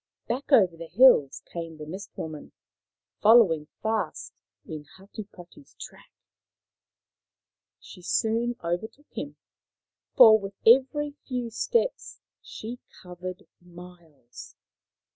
Back over the hills came the Mist woman, following fast in Hatupatu's track. She soon overtook him, for with every few steps she covered miles.